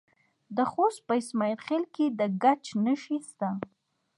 د خوست په اسماعیل خیل کې د ګچ نښې شته.